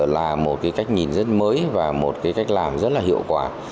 là một cái cách nhìn rất mới và một cái cách làm rất là hiệu quả